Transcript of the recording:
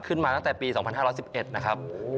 ตั้งแต่ปี๒๕๑๑นะครับ